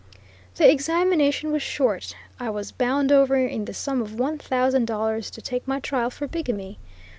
The examination was short; I was bound over in the sum of one thousand dollars to take my trial for bigamy.